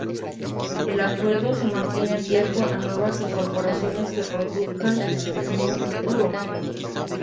El acuerdo se mantiene abierto a nuevas incorporaciones que se produzcan en un futuro.